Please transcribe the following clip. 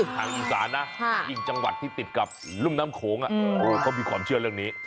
ทางอีสานนะยิ่งจังหวัดที่ติดกับรุ่มน้ำโขงเขามีความเชื่อเรื่องนี้